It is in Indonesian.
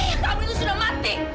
ayah kamu itu sudah mati